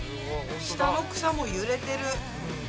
下の草も揺れてる。